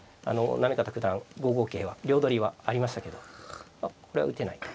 行方九段５五桂は両取りはありましたけどこれは打てないと。